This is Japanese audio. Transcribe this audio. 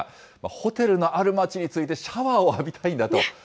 ホテルのある町に着いてシャワーを浴びたいんだと。